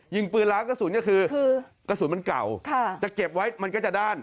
ยิงปืนล้างกระสุนก็คือกระสุนมันเก่าจะเก็บไว้มันก็จะด้าน